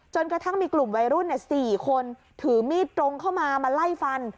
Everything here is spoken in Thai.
กระทั่งมีกลุ่มวัยรุ่น๔คนถือมีดตรงเข้ามามาไล่ฟัน